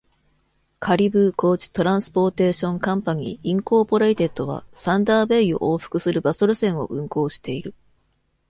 カリブー・コーチ・トランスポーテーション・カンパニー・インコーポレイテッドは、サンダーベイを往復するバス路線を運行している。